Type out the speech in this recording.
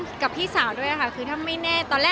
ผมว่าก็ดูแลให้ดีที่สุดนะครับ